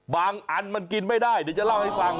อันมันกินไม่ได้เดี๋ยวจะเล่าให้ฟัง